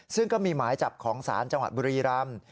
ซึ่งก็มีหมายจับของศาลจังหวัดบุรีรำ